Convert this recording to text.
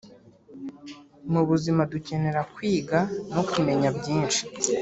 mu buzima dukenera kwiga no kumenya byinshi